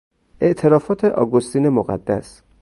اعترافات اگوستین مقدس